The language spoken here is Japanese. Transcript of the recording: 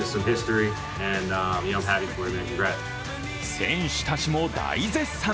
選手たちも大絶賛。